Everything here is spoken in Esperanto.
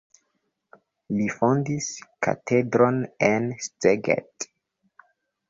Li fondis katedron en Szeged.